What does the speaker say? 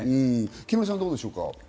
木村さん、どうでしょう？